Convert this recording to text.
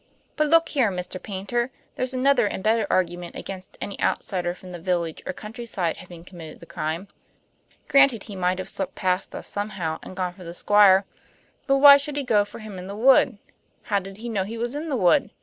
But look here, Mr. Paynter; there's another and better argument against any outsider from the village or countryside having committed the crime. Granted he might have slipped past us somehow, and gone for the Squire. But why should he go for him in the wood? How did he know he was in the wood?